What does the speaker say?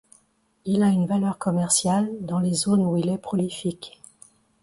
Il a une valeur commerciale dans les zones où il est prolifique.